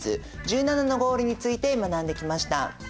ＳＤＧｓ１７のゴールについて学んできました。